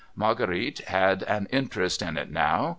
Marguerite had an interest in it now